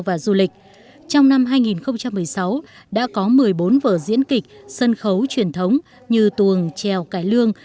và du lịch trong năm hai nghìn một mươi sáu đã có một mươi bốn vở diễn kịch sân khấu truyền thống như tuồng trèo cải lương